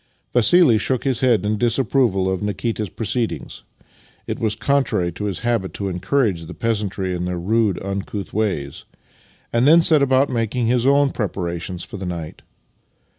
Vassili shook his head in disapproval of Nikita's proceedings (it was contrary to his habit to encourage the peasantry in their rude, uncouth ways), and then set about making his own preparations for the night.